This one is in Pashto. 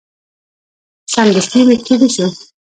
سمدستي میکروبي شو.